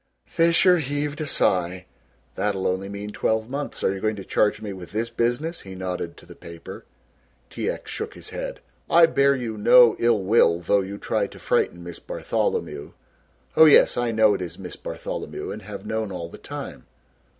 Fisher heaved a sigh. "That'll only mean twelve months. Are you going to charge me with this business?" he nodded to the paper. T. X. shook his head. "I bear you no ill will although you tried to frighten Miss Bartholomew. Oh yes, I know it is Miss Bartholomew, and have known all the time.